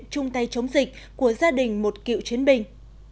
chung tay chống dịch của gia đình một cựu chiến binh